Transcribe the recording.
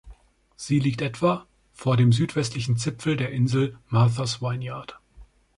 Sie liegt etwa [...] vor dem südwestlichen Zipfel der Insel „Martha‘s Vineyard“.